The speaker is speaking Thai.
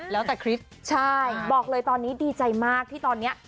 แล้วแต่คริสต์ใช่บอกเลยตอนนี้ดีใจมากที่ตอนนี้